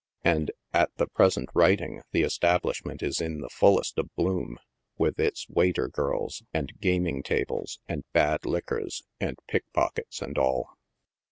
And, at the present writing, the establishment is in the fullest of bloom, with its waiter girls, and gaming tables, and bad liquors, and pickpockets and all.